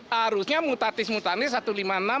harusnya satu ratus lima puluh enam ayat a